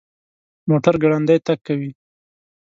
موټر ګړندی تګ کوي